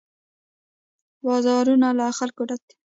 بازارونه له خلکو ډک وي.